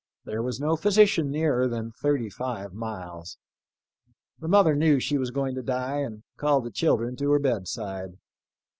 There was no physician nearer than thirty five miles. The mother knew she was going to die, and called the children to her bedside.